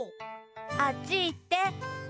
あっちいって。